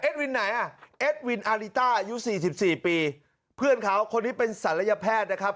เอ็ดวินไหนเอ็ดวินอาริตาอายุ๔๔ปีเพื่อนเขาคนนี้เป็นศัลยแพทย์นะครับ